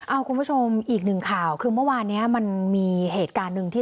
เอาคุณผู้ชมอีกหนึ่งข่าวคือเมื่อวานเนี้ยมันมีเหตุการณ์หนึ่งที่